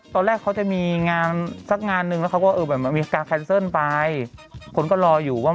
ตอนแรกเขาจะมีงานสักงานนึงแล้วเขาก็เออแบบมีการแคนเซิลไปคนก็รออยู่ว่า